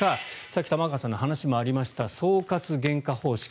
さっき玉川さんの話にもありました総括原価方式